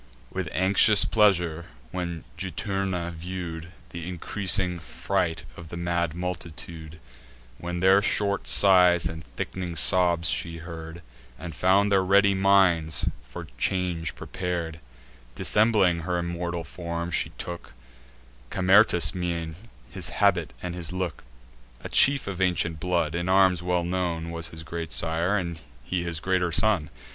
With anxious pleasure when Juturna view'd Th' increasing fright of the mad multitude, When their short sighs and thick'ning sobs she heard, And found their ready minds for change prepar'd; Dissembling her immortal form, she took Camertus' mien, his habit, and his look; A chief of ancient blood; in arms well known Was his great sire, and he his greater son.